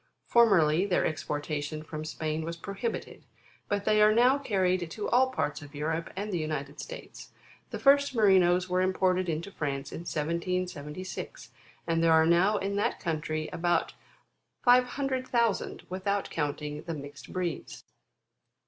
Formerly, their exportation from Spain was prohibited ; but they are now carried to all parts of Europe, and the United States. The first Merinos were imported into France in 1776, and there are now in that country about 500,000, without counting the mixed breeds.